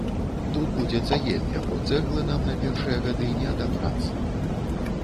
Тут будзе цагельня, бо цэглы нам на першыя гады не адабрацца.